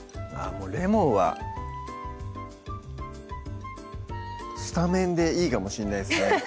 もうレモンはスタメンでいいかもしんないですね